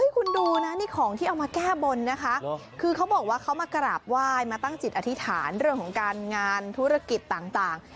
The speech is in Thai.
คุณดูนะนี่ของที่เอามาแก้บนนะคะคือเขาบอกว่าเขามากราบไหว้มาตั้งจิตอธิษฐานเรื่องของการงานธุรกิจต่าง